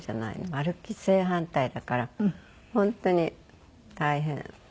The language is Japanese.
丸っきり正反対だから本当に大変。